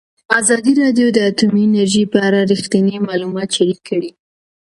ازادي راډیو د اټومي انرژي په اړه رښتیني معلومات شریک کړي.